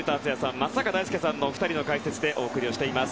松坂大輔さんのお二人の解説でお送りしています。